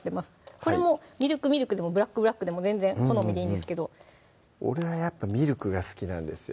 これもミルクミルクでもブラックブラックでも全然好みでいいんですけど俺はやっぱミルクが好きなんですよ